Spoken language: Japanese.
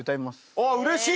あっうれしい。